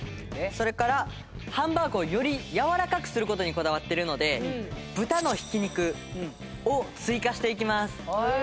それからハンバーグをよりやわらかくする事にこだわっているので豚の挽き肉を追加していきます。